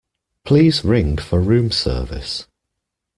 Please ring for room service